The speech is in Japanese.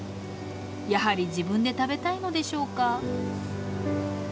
やはり自分で食べたいのでしょうか。